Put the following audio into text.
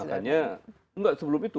makanya enggak sebelum itu